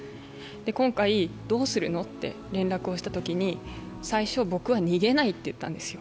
今回、どうするのって連絡をしたときに最初、僕は逃げないと言ったんですよ。